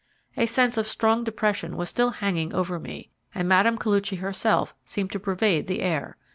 A sense of strong depression was still hanging over me, and Mme. Koluchy herself seemed to pervade the air.